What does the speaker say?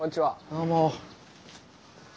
どうも。